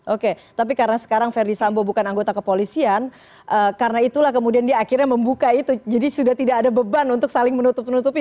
oke tapi karena sekarang verdi sambo bukan anggota kepolisian karena itulah kemudian dia akhirnya membuka itu jadi sudah tidak ada beban untuk saling menutup nutupi